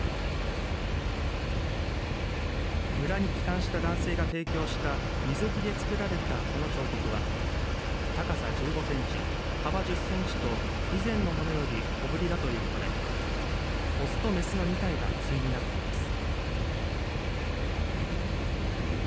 村に帰還した男性が提供したミズキで作られたこの彫刻は高さ１５センチ、幅１０センチと以前の物より小ぶりだということで雄と雌の２体が対になっています。